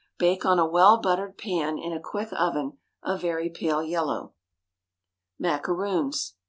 Bake on a well buttered pan in a quick oven a very pale yellow. _Macaroons.